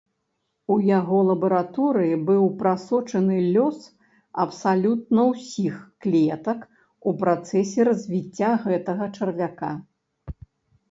У яго лабараторыі быў прасочаны лёс абсалютна ўсіх клетак у працэсе развіцця гэтага чарвяка.